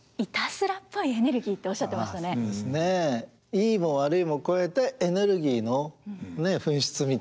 いいも悪いも超えてエネルギーの噴出みたいな。